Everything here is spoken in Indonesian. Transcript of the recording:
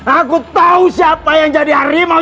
aku tahu siapa yang jadi harimau